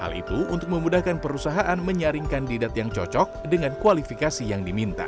hal itu untuk memudahkan perusahaan menyaring kandidat yang cocok dengan kualifikasi yang diminta